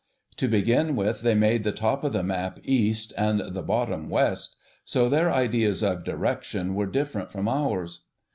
To begin with, they made the top of the map east, and the bottom west, so their ideas of direction were different from ours.